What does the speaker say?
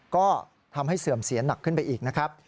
ก็ทำให้เสื่อมเสียหนักขึ้นไปอีกนะครับ